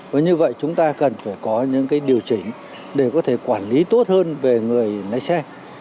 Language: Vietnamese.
và như vậy chúng ta cần phải có những cái điều chỉnh để có thể quản lý tốt hơn về người lái xe